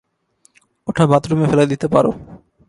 ওটা বাথরুমে ফেলে দিতে পারো।